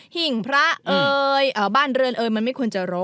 หิ้งพระเอ่ยบ้านเรือนเอ๋ยมันไม่ควรจะรู้